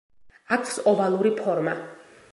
აქვს ოვალური ფორმა.